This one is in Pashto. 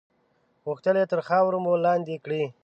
غوښتل یې تر خاورو مو لاندې کړي.